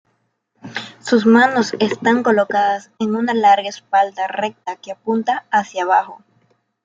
Sus manos están colocadas en una larga espada recta que apunta hacia abajo.